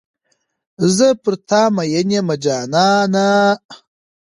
زه پر تا میین یمه جانانه.